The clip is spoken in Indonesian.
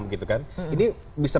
ini bisa berhubungan dengan hal yang lain